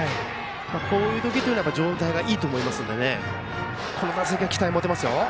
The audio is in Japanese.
こういう時は状態がいいと思いますのでこの打席は期待が持てますよ。